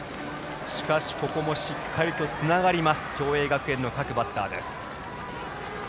しかし、しっかりとつながります共栄学園の各バッターです。